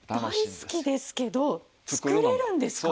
大好きですけど作れるんですか？